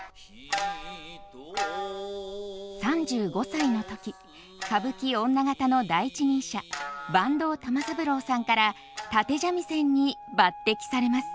３５歳の時歌舞伎女方の第一人者坂東玉三郎さんから立三味線に抜擢されます。